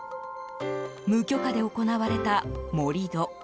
無許可で行われた盛り土。